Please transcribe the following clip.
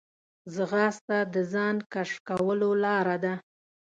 ځغاسته د ځان کشف کولو لاره ده